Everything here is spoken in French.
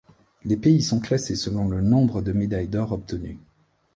Les pays sont classés selon le nombre de médailles d'or obtenues.